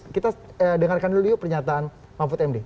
kita dengarkan dulu yuk pernyataan mahfud md